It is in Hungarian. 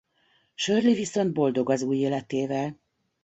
Shirley viszont boldog az új életével.